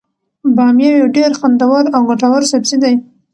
بامیه یو ډیر خوندور او ګټور سبزي دی.